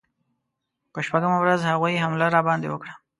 په شپږمه ورځ هغوی حمله راباندې وکړه.